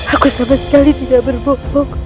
aku sama sekali tidak berpukuk